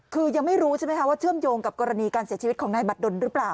คือยังไม่รู้ใช่ไหมคะว่าเชื่อมโยงกับกรณีการเสียชีวิตของนายบัตรดนหรือเปล่า